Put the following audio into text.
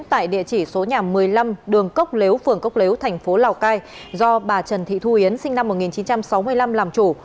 tại địa chỉ số nhà một mươi năm đường cốc lếu phường cốc lếu thành phố lào cai do bà trần thị thu yến sinh năm một nghìn chín trăm sáu mươi năm làm chủ